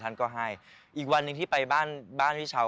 ท่านก็ให้อีกวันนึงที่ไปบ้านพี่เฉา